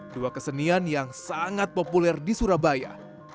dua kesenian yang sangat populer di surabaya